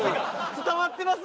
伝わってます？